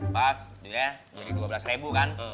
pas gitu ya jadi rp dua belas kan